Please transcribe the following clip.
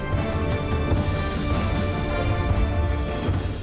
ไม่สามารถใช้อำนาจได้